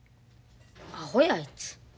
アホやあいつ。